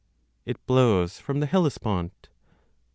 It blows from the Hellespont.